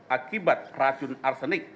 akibat racun arsenik